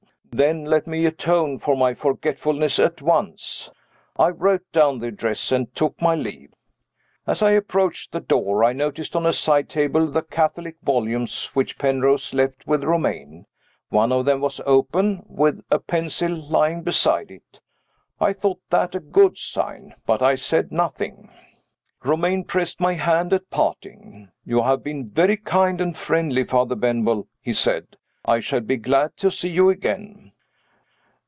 "Then let me atone for my forgetfulness at once." I wrote down the address, and took my leave. As I approached the door I noticed on a side table the Catholic volumes which Penrose left with Romayne. One of them was open, with a pencil lying beside it. I thought that a good sign but I said nothing. Romayne pressed my hand at parting. "You have been very kind and friendly, Father Benwell," he said. "I shall be glad to see you again."